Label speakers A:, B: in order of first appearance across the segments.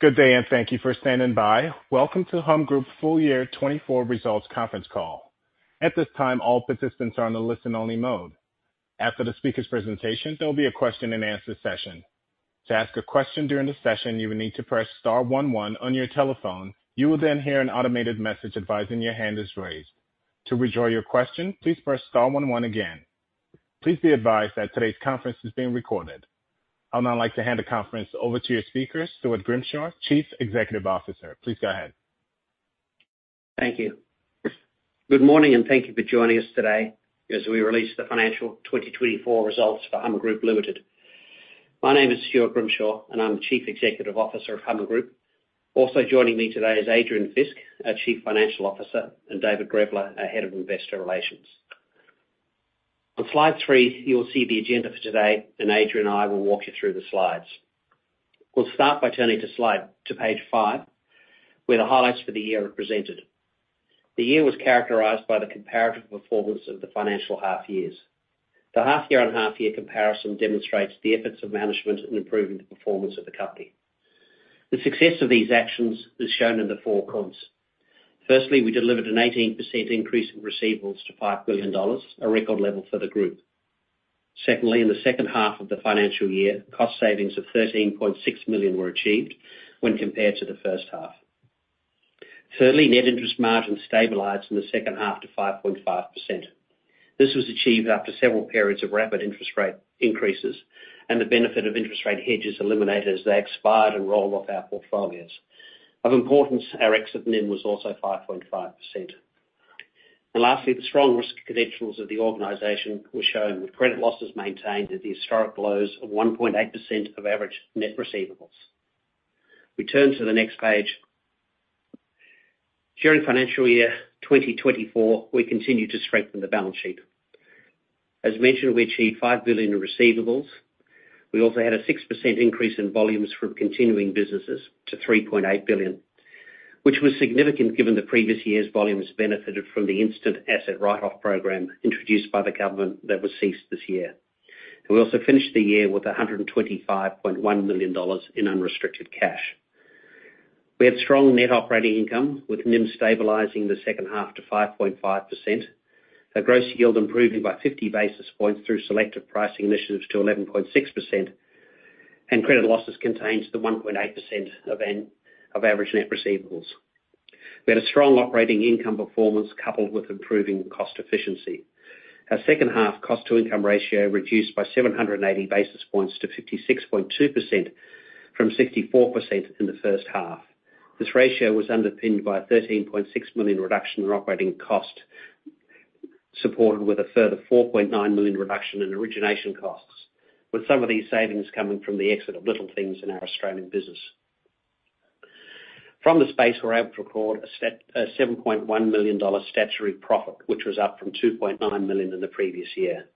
A: Good day, and thank you for standing by. Welcome to Humm Group Full Year 2024 Results Conference Call. At this time, all participants are on a listen-only mode. After the speaker's presentation, there will be a question-and-answer session. To ask a question during the session, you will need to press star one one on your telephone. You will then hear an automated message advising your hand is raised. To withdraw your question, please press star one one again. Please be advised that today's conference is being recorded. I'd now like to hand the conference over to your speaker, Stuart Grimshaw, Chief Executive Officer. Please go ahead.
B: Thank you. Good morning, and thank you for joining us today as we release The Financial 2024 Results for Humm Group Limited. My name is Stuart Grimshaw, and I'm the Chief Executive Officer of Humm Group. Also joining me today is Adrian Fisk, our Chief Financial Officer, and David Grevler, our Head of Investor Relations. On slide three, you will see the agenda for today, and Adrian and I will walk you through the slides. We'll start by turning to page five, where the highlights for the year are presented. The year was characterized by the comparative performance of the financial half years. The half year on half year comparison demonstrates the efforts of management in improving the performance of the company. The success of these actions is shown in the four columns. Firstly, we delivered an 18% increase in receivables to 5 billion dollars, a record level for the group. Secondly, in the second half of the financial year, cost savings of 13.6 million were achieved when compared to the first half. Thirdly, net interest margin stabilized in the second half to 5.5%. This was achieved after several periods of rapid interest rate increases and the benefit of interest rate hedges eliminated as they expired and rolled off our portfolios. Of importance, our exit NIM was also 5.5%. And lastly, the strong risk credentials of the organization were shown, with credit losses maintained at the historic lows of 1.8% of average net receivables. We turn to the next page. During financial year 2024, we continued to strengthen the balance sheet. As mentioned, we achieved 5 billion in receivables. We also had a 6% increase in volumes from continuing businesses to 3.8 billion, which was significant given the previous year's volumes benefited from the instant asset write-off program introduced by the government that was ceased this year. We also finished the year with 125.1 million dollars in unrestricted cash. We had strong net operating income, with NIM stabilizing the second half to 5.5%, a gross yield improving by 50 basis points through selective pricing initiatives to 11.6%, and credit losses contained to the 1.8% of average net receivables. We had a strong operating income performance coupled with improving cost efficiency. Our second half cost-to-income ratio reduced by 780 basis points to 56.2% from 64% in the first half. This ratio was underpinned by a 13.6 million reduction in operating cost, supported with a further 4.9 million reduction in origination costs, with some of these savings coming from the exit of Little Things in our Australian business. From this base, we're able to record a 7.1 million dollar statutory profit, which was up from 2.9 million in the previous year.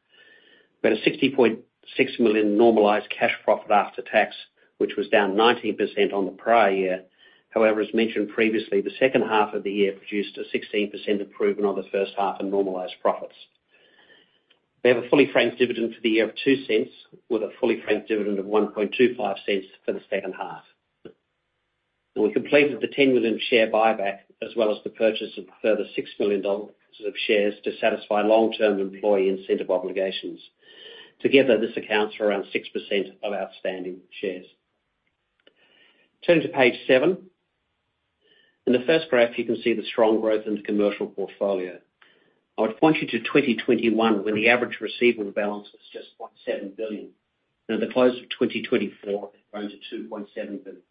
B: We had a 60.6 million normalized cash profit after tax, which was down 19% on the prior year. However, as mentioned previously, the second half of the year produced a 16% improvement on the first half in normalized profits. We have a fully franked dividend for the year of 0.02, with a fully franked dividend of 0.0125 for the second half. We completed the 10 million share buyback, as well as the purchase of a further 6 million dollars of shares to satisfy long-term employee incentive obligations. Together, this accounts for around 6% of outstanding shares. Turning to page seven. In the first graph, you can see the strong growth in the commercial portfolio. I would point you to 2021, when the average receivable balance was just 0.7 billion. And at the close of 2024, it grown to 2.7 billion.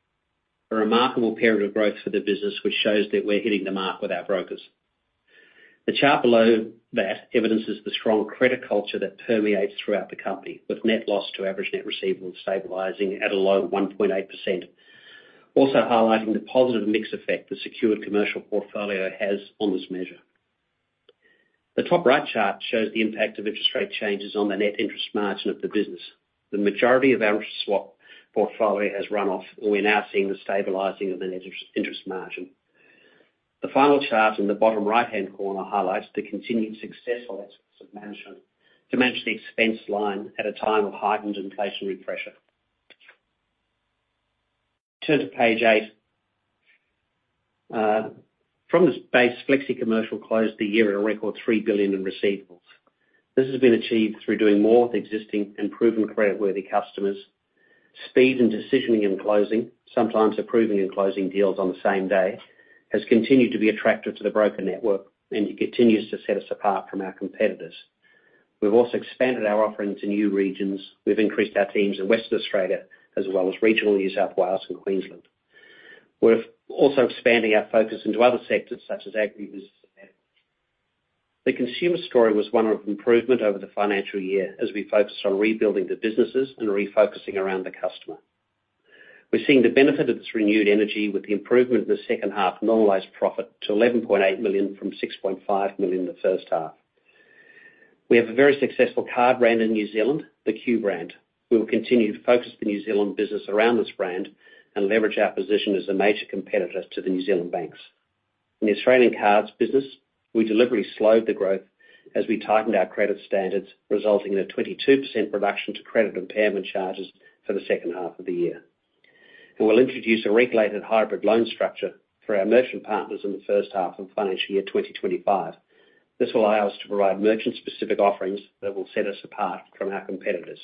B: A remarkable period of growth for the business, which shows that we're hitting the mark with our brokers. The chart below that evidences the strong credit culture that permeates throughout the company, with net loss to average net receivable stabilizing at a low 1.8%. Also highlighting the positive mix effect the secured commercial portfolio has on this measure. The top right chart shows the impact of interest rate changes on the net interest margin of the business. The majority of our swap portfolio has run off, and we're now seeing the stabilizing of the net interest, interest margin. The final chart in the bottom right-hand corner highlights the continued success of management to manage the expense line at a time of heightened inflationary pressure. Turn to page eight. From this base, FlexiCommercial closed the year at a record 3 billion in receivables. This has been achieved through doing more with existing and proven creditworthy customers. Speed and decisioning and closing, sometimes approving and closing deals on the same day, has continued to be attractive to the broker network, and it continues to set us apart from our competitors. We've also expanded our offerings in new regions. We've increased our teams in Western Australia, as well as regional New South Wales and Queensland. We're also expanding our focus into other sectors, such as agribusiness. The consumer story was one of improvement over the financial year, as we focused on rebuilding the businesses and refocusing around the customer. We're seeing the benefit of this renewed energy with the improvement in the second half normalized profit to 11.8 million from 6.5 million in the first half. We have a very successful card brand in New Zealand, the Q brand. We will continue to focus the New Zealand business around this brand and leverage our position as a major competitor to the New Zealand banks. In the Australian cards business, we deliberately slowed the growth as we tightened our credit standards, resulting in a 22% reduction to credit impairment charges for the second half of the year. We will introduce a regulated hybrid loan structure for our merchant partners in the first half of financial year 2025. This will allow us to provide merchant-specific offerings that will set us apart from our competitors.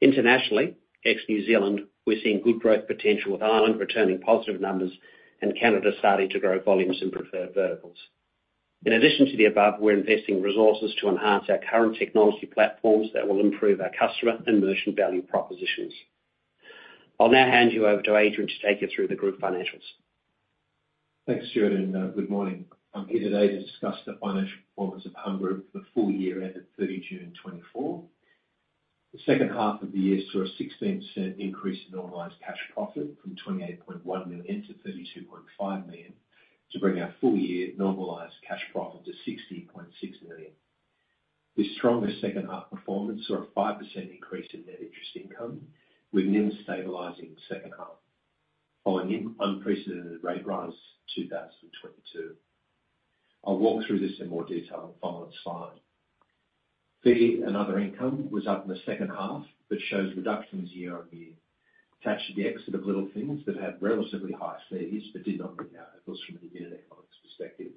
B: Internationally, ex-New Zealand, we're seeing good growth potential, with Ireland returning positive numbers and Canada starting to grow volumes in preferred verticals. In addition to the above, we're investing resources to enhance our current technology platforms that will improve our customer and merchant value propositions. I'll now hand you over to Adrian to take you through the group financials.
C: Thanks, Stuart, and good morning. I'm here today to discuss the financial performance of Humm Group for the full year ended 30 June 2024. The second half of the year saw a 16% increase in normalized cash profit, from 28.1 million-32.5 million, to bring our full-year normalized cash profit to 60.6 million. This stronger second half performance saw a 5% increase in net interest income, with NIM stabilizing in the second half, following an unprecedented rate rise in 2022. I'll walk through this in more detail on the following slide. Fee and other income was up in the second half, but shows reductions year-on-year, attached to the exit of Little Things that had relatively high fees but did not stack up from a unit economics perspective.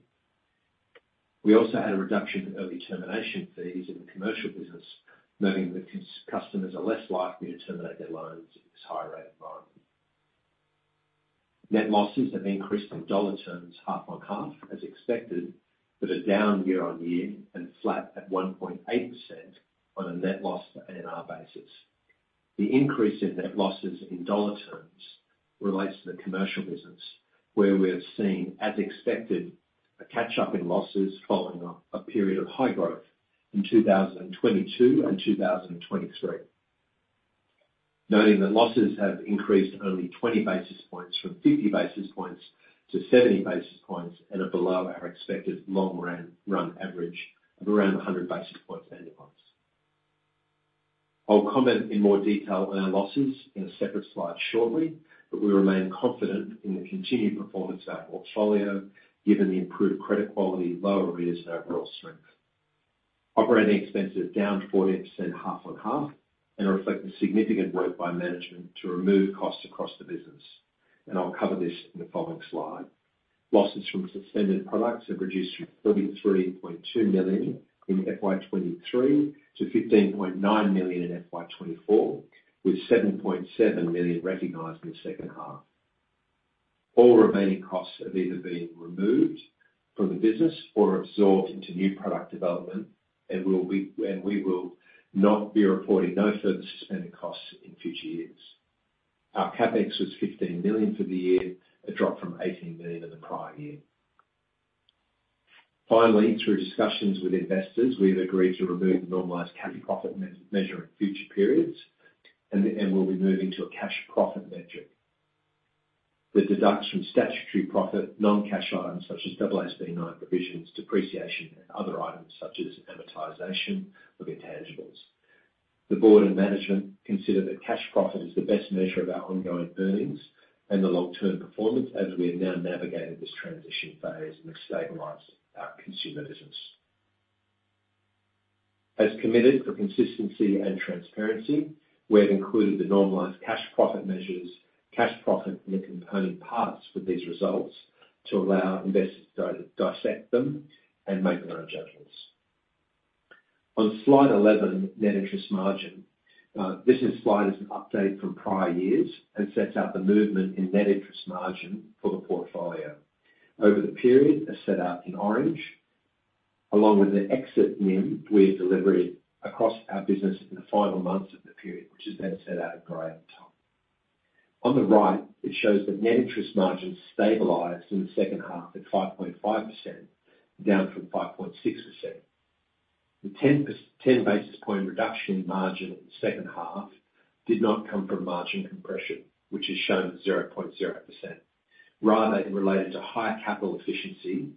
C: We also had a reduction in early termination fees in the commercial business, noting that customers are less likely to terminate their loans in this high rate environment. Net losses have increased in dollar terms, half on half, as expected, but are down year-on-year and flat at 1.8% on a net loss for ANR basis. The increase in net losses in dollar terms relates to the commercial business, where we have seen, as expected, a catch-up in losses following a period of high growth in 2022 and 2023. Noting that losses have increased only 20 basis points from 50 basis points to 70 basis points and are below our expected long-run average of around 100 basis points annualized. I'll comment in more detail on our losses in a separate slide shortly, but we remain confident in the continued performance of our portfolio, given the improved credit quality, low arrears, and overall strength. Operating expenses are down 14%, half on half, and reflect the significant work by management to remove costs across the business, and I'll cover this in the following slide. Losses from suspended products have reduced from 33.2 million in FY 2023 to 15.9 million in FY 2024, with 7.7 million recognized in the second half. All remaining costs have either been removed from the business or absorbed into new product development, and we will not be reporting no further suspended costs in future years. Our CapEx was 15 million for the year, a drop from 18 million in the prior year. Finally, through discussions with investors, we have agreed to remove the normalized cash profit measure in future periods, and we'll be moving to a cash profit metric. The deduction from statutory profit, non-cash items such as AASB 9 provisions, depreciation, and other items such as amortization of intangibles. The board and management consider that cash profit is the best measure of our ongoing earnings and the long-term performance as we have now navigated this transition phase and have stabilized our consumer business. As committed for consistency and transparency, we have included the normalized cash profit measures, cash profit, and the component parts for these results to allow investors to dissect them and make their own judgments. On slide 11, net interest margin. This slide is an update from prior years and sets out the movement in net interest margin for the portfolio. Over the period, as set out in orange, along with the exit NIM, we're delivering across our business in the final months of the period, which is then set out in gray at the top. On the right, it shows the net interest margin stabilized in the second half at 5.5%, down from 5.6%. The 10 basis point reduction in margin in the second half did not come from margin compression, which is shown at 0.0%. Rather, it related to higher capital efficiency,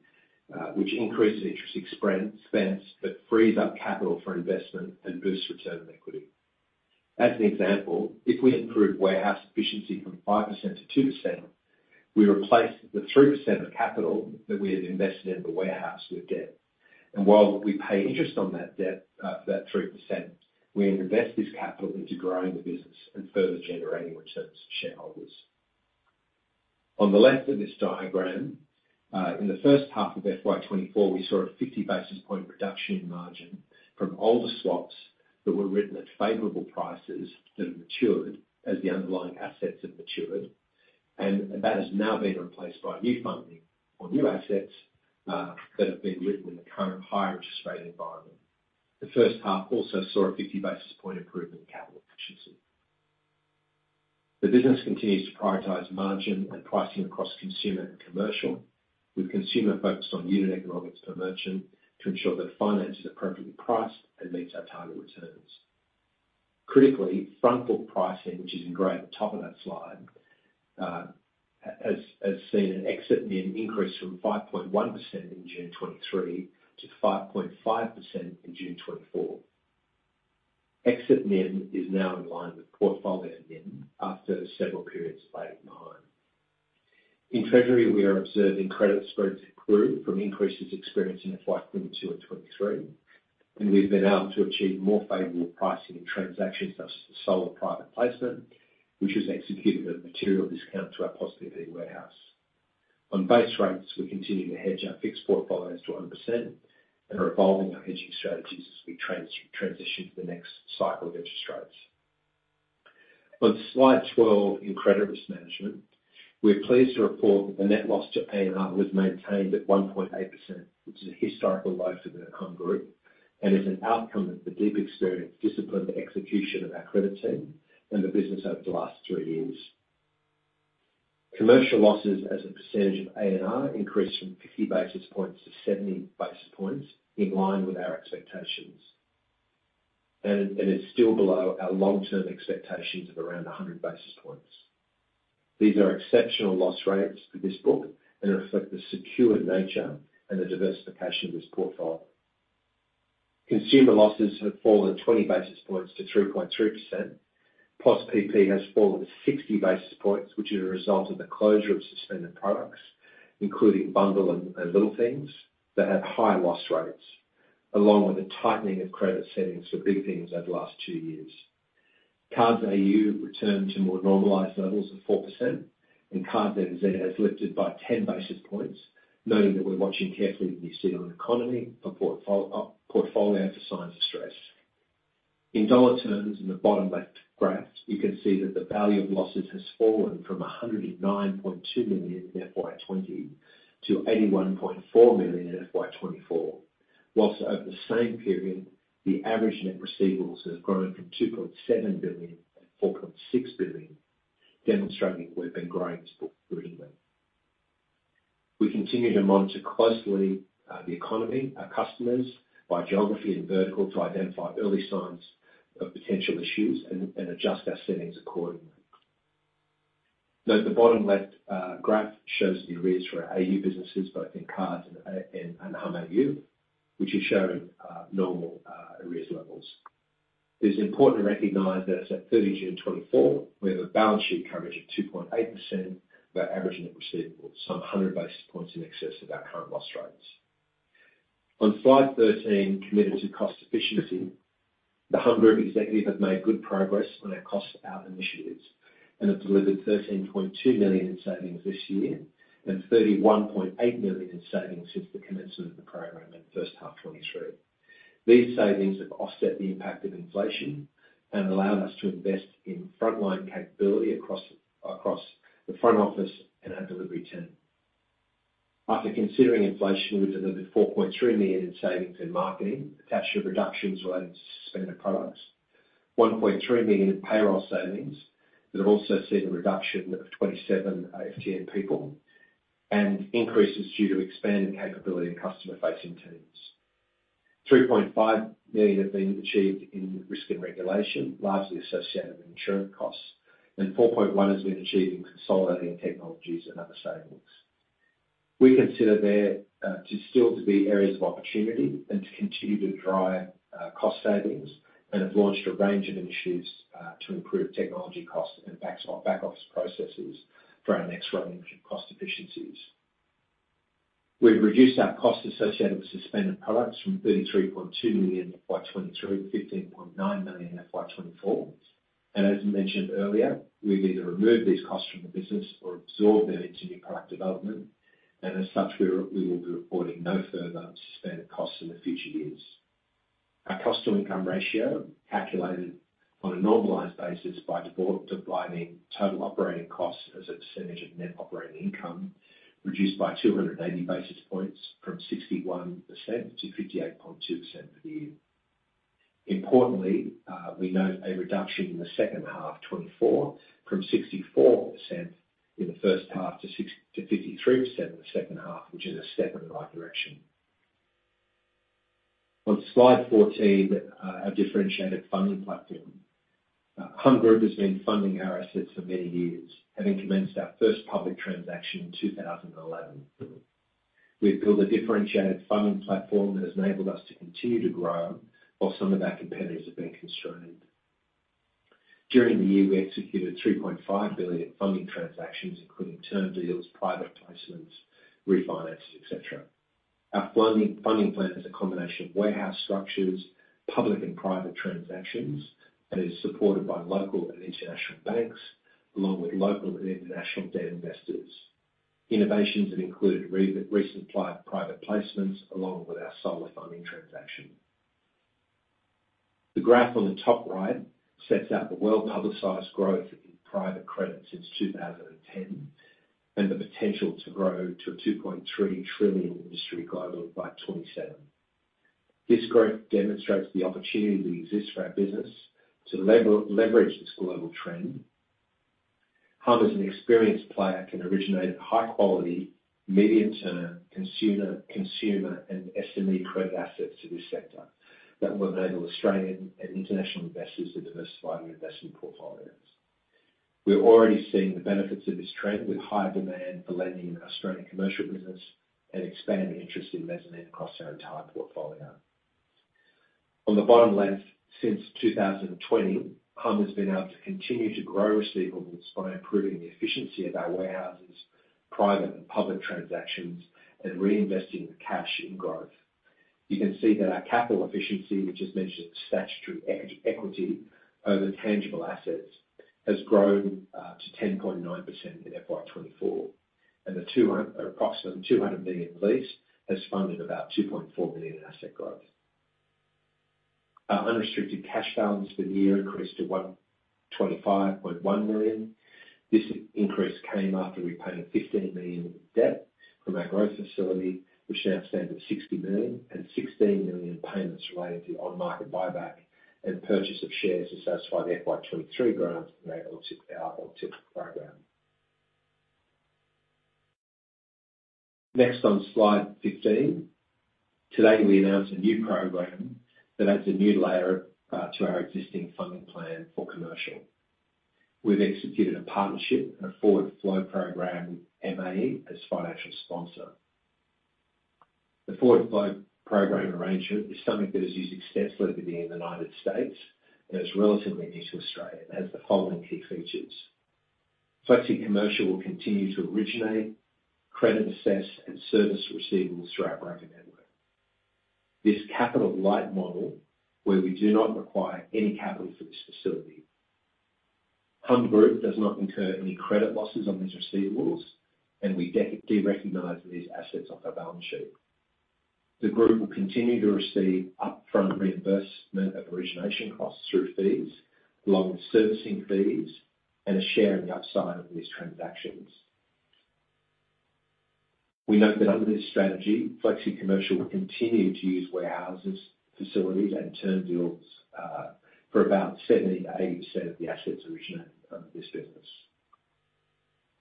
C: which increases interest expense, but frees up capital for investment and boosts return on equity. As an example, if we improve warehouse efficiency from 5%-2%, we replace the 3% of capital that we have invested in the warehouse with debt. While we pay interest on that debt, for that 3%, we invest this capital into growing the business and further generating returns to shareholders. On the left of this diagram, in the first half of FY 2024, we saw a 50 basis point reduction in margin from older swaps that were written at favorable prices that have matured as the underlying assets have matured, and that has now been replaced by new funding or new assets that have been written in the current higher interest rate environment. The first half also saw a 50 basis point improvement in capital efficiency. The business continues to prioritize margin and pricing across consumer and commercial, with consumer focused on unit economics per merchant to ensure that finance is appropriately priced and meets our target returns. Critically, front book pricing, which is in gray at the top of that slide, has seen an exit NIM increase from 5.1% in June 2023 to 5.5% in June 2024. Exit NIM is now in line with portfolio NIM after several periods of lagging behind. In February, we are observing credit spreads improve from increases experienced in FY 2022 and 2023, and we've been able to achieve more favorable pricing in transactions such as the solar private placement, which has executed a material discount to our positive EV warehouse. On base rates, we continue to hedge our fixed portfolios to 100% and are evolving our hedging strategies as we transition to the next cycle of interest rates. On slide 12, in credit risk management, we're pleased to report that the net loss to ANR was maintained at 1.8%, which is a historical low for the Humm Group, and is an outcome of the deep experience, disciplined execution of our credit team and the business over the last three years. Commercial losses as a percentage of ANR increased from 50 basis points to 70 basis points, in line with our expectations, and it's still below our long-term expectations of around 100 basis points. These are exceptional loss rates for this book and reflect the secure nature and the diversification of this portfolio. Consumer losses have fallen 20 basis points to 3.3%. Post-pay has fallen 60 basis points, which is a result of the closure of suspended products, including bundll and Little Things, that have high loss rates, along with a tightening of credit settings for Big Things over the last two years. Cards AU returned to more normalized levels of 4%, and Card NZ has lifted by ten basis points, noting that we're watching carefully the New Zealand economy for portfolio for signs of stress. In dollar terms, in the bottom left graph, you can see that the value of losses has fallen from 109.2 million in FY 2020 to 81.4 million in FY 2024. While over the same period, the average net receivables have grown from 2.7 billion to 4.6 billion, demonstrating we've been growing this book brilliantly. We continue to monitor closely the economy, our customers, by geography and vertical, to identify early signs of potential issues and adjust our settings accordingly. Note the bottom left graph shows the arrears for our AU businesses, both in cards and Humm AU, which is showing normal arrears levels. It's important to recognize that as at 30 June 2024, we have a balance sheet coverage of 2.8% of our average net receivables, 100 basis points in excess of our current loss rates. On slide 13, committed to cost efficiency. The Humm Group executive have made good progress on our cost out initiatives and have delivered 13.2 million in savings this year, and 31.8 million in savings since the commencement of the program in the first half 2023. These savings have offset the impact of inflation and allowed us to invest in frontline capability across the front office and our delivery team. After considering inflation, we delivered 4.3 million in savings in marketing, attached with reductions related to suspended products, 1.3 million in payroll savings, that have also seen a reduction of 27 FTE people, and increases due to expanding capability in customer-facing teams. 3.5 million have been achieved in risk and regulation, largely associated with insurance costs, and 4.1 million has been achieved in consolidating technologies and other savings. We consider there to still be areas of opportunity and to continue to drive cost savings, and have launched a range of initiatives to improve technology costs and back office processes for our next round of cost efficiencies. We've reduced our costs associated with suspended products from $33.2 million in FY 2023 to $15.9 million in FY 2024. As mentioned earlier, we've either removed these costs from the business or absorbed them into new product development, and as such, we will be reporting no further suspended costs in the future years. Our cost-to-income ratio, calculated on a normalized basis by dividing total operating costs as a percentage of net operating income, reduced by 280 basis points from 61%-58.2% for the year. Importantly, we note a reduction in the second half of 2024, from 64% in the first half to 53% in the second half, which is a step in the right direction. On Slide 14, our differentiated funding platform. Humm Group has been funding our assets for many years, having commenced our first public transaction in 2011. We've built a differentiated funding platform that has enabled us to continue to grow, while some of our competitors have been constrained. During the year, we executed 3.5 billion in funding transactions, including term deals, private placements, refinances, et cetera. Our funding plan is a combination of warehouse structures, public and private transactions, and is supported by local and international banks, along with local and international debt investors. Innovations have included recent private placements, along with our solar funding transaction. The graph on the top right sets out the well-publicized growth in private credit since 2010, and the potential to grow to a 2.3 trillion industry global by 2027. This growth demonstrates the opportunity that exists for our business to leverage this global trend. Humm, as an experienced player, can originate high quality, medium-term consumer and SME credit assets to this sector that will enable Australian and international investors to diversify their investment portfolios. We're already seeing the benefits of this trend, with high demand for lending in Australian commercial business and expanding interest in mezzanine across our entire portfolio. On the bottom left, since 2020, Humm has been able to continue to grow receivables by improving the efficiency of our warehouses, private and public transactions, and reinvesting the cash in growth. You can see that our capital efficiency, which is measured in statutory equity over tangible assets, has grown to 10.9% in FY 2024, and the approximately 200 million lease has funded about 2.4 billion in asset growth. Our unrestricted cash balance for the year increased to 125.1 million. This increase came after we paid 15 million of debt from our growth facility, which now stands at 60 million, and 16 million payments related to on-market buyback and purchase of shares to satisfy the FY 2023 grants and our LTI, our LTI program. Next, on Slide 15. Today, we announce a new program that adds a new layer to our existing funding plan for commercial. We've executed a partnership and a forward flow program with MA Financial as financial sponsor. The forward flow program arrangement is something that is used extensively in the United States, and it's relatively new to Australia and has the following key features: FlexiCommercial will continue to originate, credit assess, and service receivables through our broker network. This capital-light model, where we do not require any capital for this facility. Humm Group does not incur any credit losses on these receivables, and we derecognize these assets off our balance sheet. The group will continue to receive upfront reimbursement of origination costs through fees, along with servicing fees and a share in the upside of these transactions. We note that under this strategy, FlexiCommercial will continue to use warehouses, facilities, and term deals, for about 70%-80% of the assets originated from this business.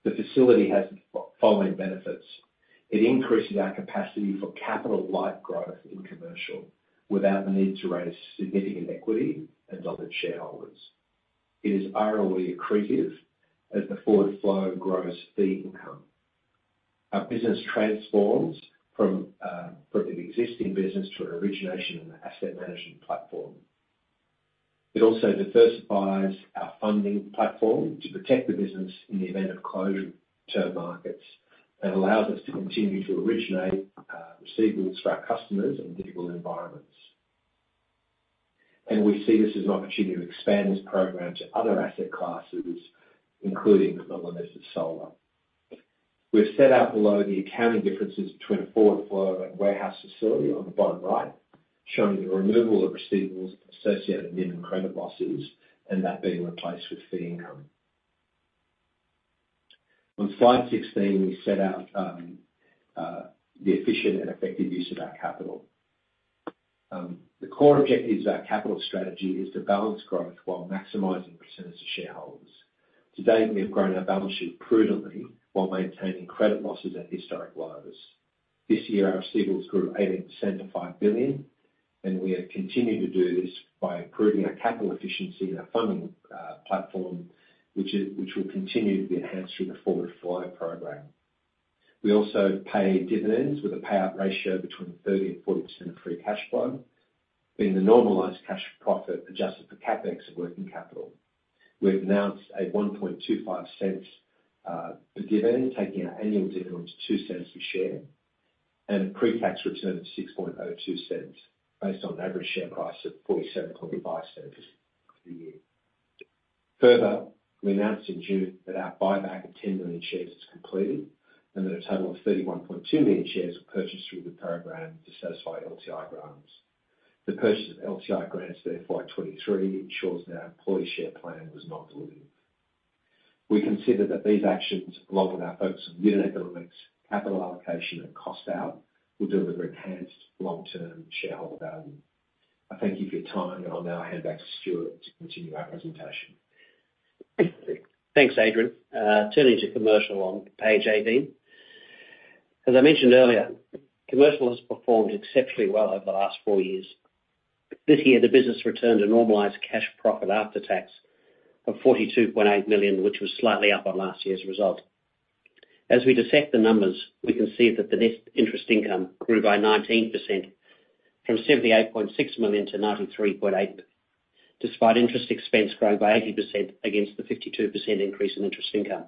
C: The facility has the following benefits: It increases our capacity for capital-light growth in commercial, without the need to raise significant equity and dilute shareholders. It is ROE accretive, as the forward flow grows fee income. Our business transforms from an existing business to an origination and asset management platform. It also diversifies our funding platform to protect the business in the event of closed term markets, and allows us to continue to originate receivables for our customers in difficult environments, and we see this as an opportunity to expand this program to other asset classes, including the lending for solar. We've set out below the accounting differences between a forward flow and warehouse facility on the bottom right, showing the removal of receivables associated with minimum credit losses, and that being replaced with fee income. On Slide 16, we set out the efficient and effective use of our capital. The core objective of our capital strategy is to balance growth while maximizing returns to shareholders. To date, we have grown our balance sheet prudently while maintaining credit losses at historic lows. This year, our receivables grew 18% to 5 billion, and we have continued to do this by improving our capital efficiency and our funding platform, which will continue to be enhanced through the forward flow program. We also pay dividends with a payout ratio between 30% and 40% of free cash flow, being the normalized cash profit, adjusted for CapEx and working capital. We've announced a 1.25 cents per share, taking our annual dividend to 2 cents per share, and a pre-tax return of 6.02 cents, based on average share price of 47.5 cents for the year. Further, we announced in June that our buyback of 10 million shares is completed, and that a total of 31.2 million shares were purchased through the program to satisfy LTI grants. The purchase of LTI grants for FY 2023 ensures that our employee share plan was not diluted. We consider that these actions, along with our focus on unit economics, capital allocation, and cost out, will deliver enhanced long-term shareholder value. I thank you for your time, and I'll now hand back to Stuart to continue our presentation.
B: Thanks, Adrian. Turning to commercial on page 18. As I mentioned earlier, commercial has performed exceptionally well over the last four years. This year, the business returned a normalized cash profit after tax of 42.8 million, which was slightly up on last year's result. As we dissect the numbers, we can see that the net interest income grew by 19%, from 78.6 million-93.8 million, despite interest expense growing by 80% against the 52% increase in interest income.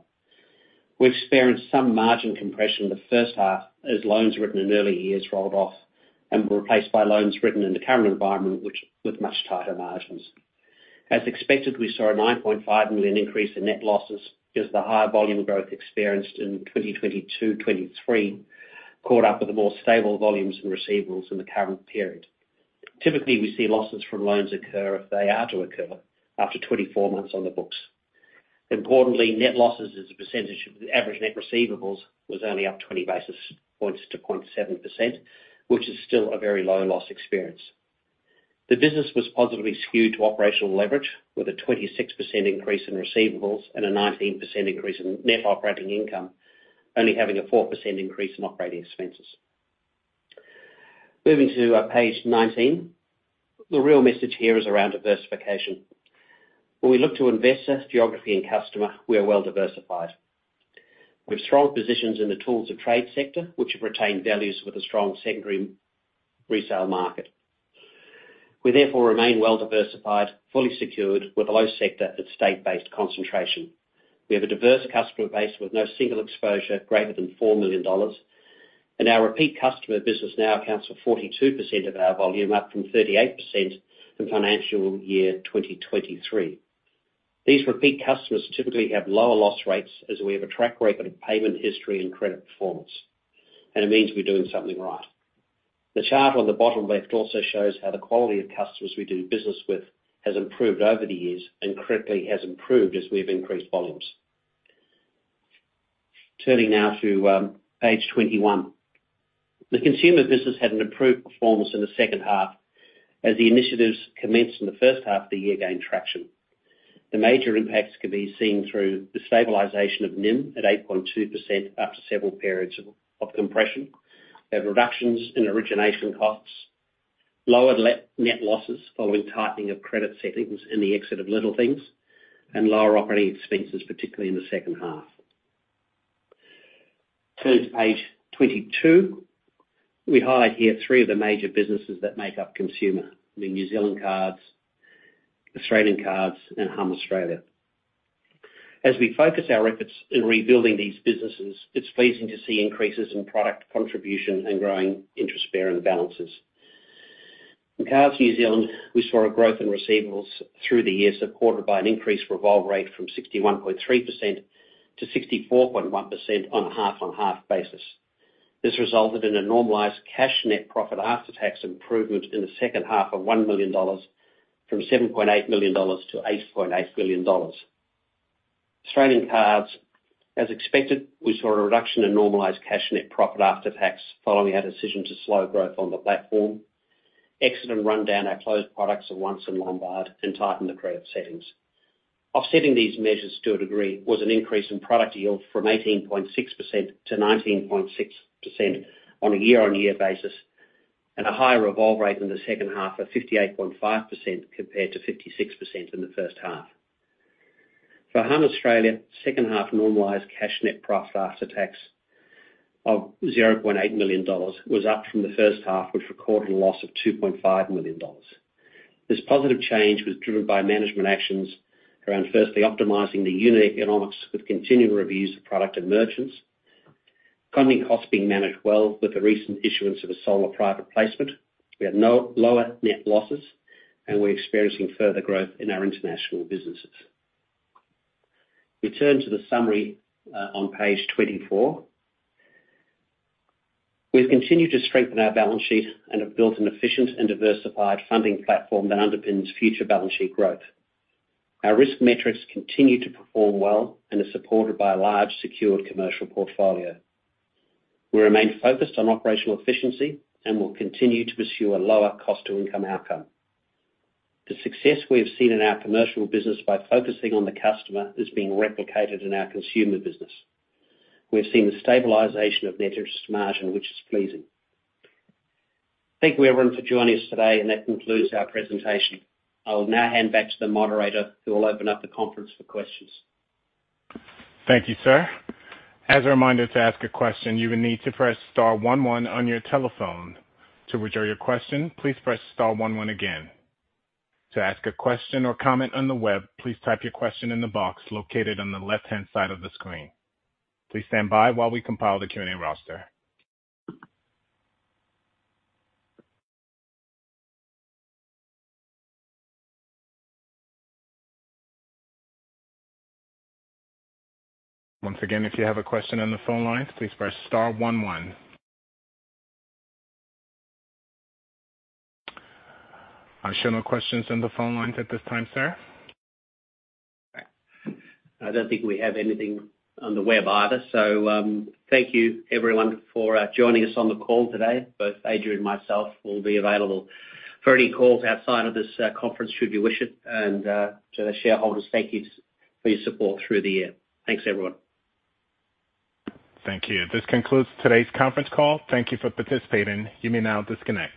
B: We've experienced some margin compression in the first half, as loans written in earlier years rolled off and were replaced by loans written in the current environment, which, with much tighter margins. As expected, we saw a 9.5 million increase in net losses, as the higher volume growth experienced in 2022, 2023 caught up with the more stable volumes and receivables in the current period. Typically, we see losses from loans occur if they are to occur after 24 months on the books. Importantly, net losses as a percentage of the average net receivables was only up 20 basis points to 0.7%, which is still a very low loss experience. The business was positively skewed to operational leverage, with a 26% increase in receivables and a 19% increase in net operating income, only having a 4% increase in operating expenses. Moving to, page 19. The real message here is around diversification. When we look to investor, geography, and customer, we are well diversified. We have strong positions in the tools and trade sector, which have retained values with a strong secondary resale market. We therefore remain well diversified, fully secured, with a low sector and state-based concentration. We have a diverse customer base with no single exposure greater than 4 million dollars, and our repeat customer business now accounts for 42% of our volume, up from 38% in financial year 2023. These repeat customers typically have lower loss rates, as we have a track record of payment history and credit performance, and it means we're doing something right. The chart on the bottom left also shows how the quality of customers we do business with has improved over the years and critically has improved as we've increased volumes. Turning now to page 21. The consumer business had an improved performance in the second half, as the initiatives commenced in the first half of the year gained traction. The major impacts can be seen through the stabilization of NIM at 8.2%, after several periods of compression. We have reductions in origination costs, lower net losses following tightening of credit settings and the exit of Little Things, and lower operating expenses, particularly in the second half. Turn to page 22. We highlight here three of the major businesses that make up consumer: the New Zealand Cards, Australian Cards, and Humm Australia. As we focus our efforts in rebuilding these businesses, it's pleasing to see increases in product contribution and growing interest-bearing balances. In Cards New Zealand, we saw a growth in receivables through the year, supported by an increased revolve rate from 61.3%-64.1% on a half-on-half basis. This resulted in a normalized cash net profit after tax improvement in the second half of 1 million dollars, from 7.8 million-8.8 million dollars. Australian Cards, as expected, we saw a reduction in normalized cash net profit after tax, following our decision to slow growth on the platform, exit and run down our closed products at Once and Lombard, and tighten the credit settings. Offsetting these measures, to a degree, was an increase in product yield from 18.6%-19.6% on a year-on-year basis, and a higher revolve rate in the second half of 58.5% compared to 56% in the first half. For Humm Australia, second half normalized cash net profit after tax of 0.8 million dollars was up from the first half, which recorded a loss of 2.5 million dollars. This positive change was driven by management actions around, firstly, optimizing the unit economics with continual reviews of product and merchants, funding costs being managed well with the recent issuance of a solar private placement. We have lower net losses, and we're experiencing further growth in our international businesses. We turn to the summary on page 24. We've continued to strengthen our balance sheet and have built an efficient and diversified funding platform that underpins future balance sheet growth. Our risk metrics continue to perform well and are supported by a large secured commercial portfolio. We remain focused on operational efficiency and will continue to pursue a lower cost-to-income outcome. The success we have seen in our commercial business by focusing on the customer is being replicated in our consumer business. We've seen the stabilization of net interest margin, which is pleasing. Thank you, everyone, for joining us today, and that concludes our presentation. I will now hand back to the moderator, who will open up the conference for questions.
A: Thank you, sir. As a reminder, to ask a question, you will need to press star one one on your telephone. To withdraw your question, please press star one one again. To ask a question or comment on the web, please type your question in the box located on the left-hand side of the screen. Please stand by while we compile the Q&A roster. Once again, if you have a question on the phone lines, please press star one one. I show no questions on the phone lines at this time, sir.
B: I don't think we have anything on the web either, so thank you, everyone, for joining us on the call today. Both Adrian and myself will be available for any calls outside of this conference should you wish it, and to the shareholders, thank you for your support through the year. Thanks, everyone.
A: Thank you. This concludes today's conference call. Thank you for participating. You may now disconnect.